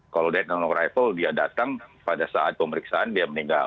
kalau dia non arrival dia datang pada saat pemeriksaan dia meninggal